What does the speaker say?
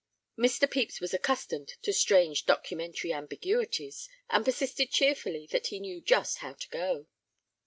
Mr. Pepys was accustomed to strange documentary ambiguities, and persisted cheerfully that he knew just how to go.